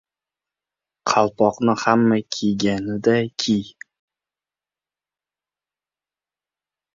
• Qalpoqni hamma kiyganiday kiy.